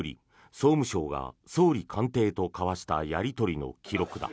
総務省が総理官邸と交わしたやり取りの記録だ。